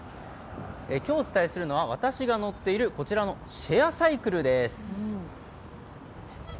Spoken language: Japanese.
今日お伝えするのは私が乗っているこちらのシェアサイクルです。